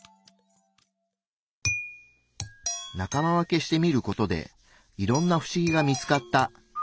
仲間分けしてみることでいろんな不思議が見つかった。